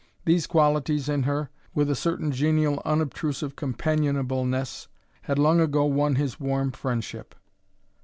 These qualities in her, with a certain genial, unobtrusive companionableness, had long ago won his warm friendship.